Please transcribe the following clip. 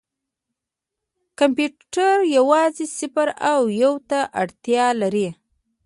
کمپیوټر یوازې صفر او یو ته اړتیا لري.